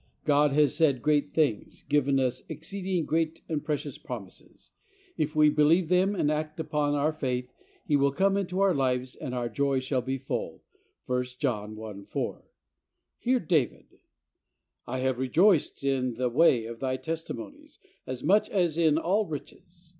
God has said great things, given us "exceeding great and precious promises." If we believe them and act upon our faith He will come into our lives and our joy shall be full, (i John 1:4.) Hear David, "I have rejoiced in the way of Thy testimonies as much as in all riches."